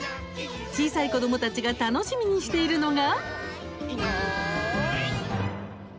小さい子どもたちが楽しみにしているのが。